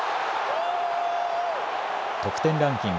得点ランキング